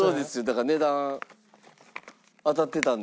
だから値段当たってたんです。